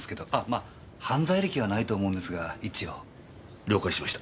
あ犯罪歴はないと思うんですが一応。了解しました。